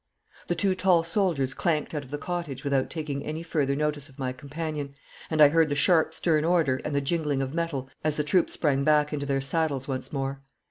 The two tall soldiers clanked out of the cottage without taking any further notice of my companion, and I heard the sharp stern order and the jingling of metal as the troopers sprang back into their saddles once more.